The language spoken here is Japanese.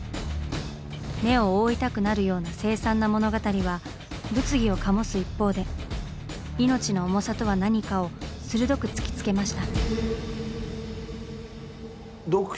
目を覆いたくなるような凄惨な物語は物議を醸す一方で命の重さとは何かを鋭く突きつけました。